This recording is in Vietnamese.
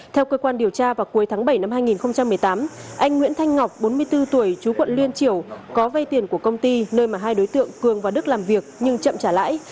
theo cơ quan điều tra vào cuối tháng bảy năm hai nghìn một mươi tám anh nguyễn thanh ngọc bốn mươi bốn tuổi chú quận liên triều có vay tiền của công ty nơi mà hai đối tượng cường và đức làm việc nhưng chậm trả lãi